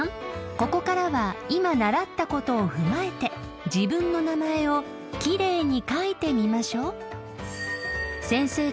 ここからは今習ったことを踏まえて自分の名前を奇麗に書いてみましょ］